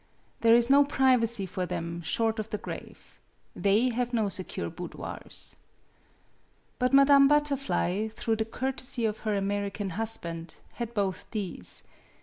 There is no privacy for them short of the grave. They have no secure boudoirs. But Madame Butterfly (through the cour tesy of her American husband) had both these.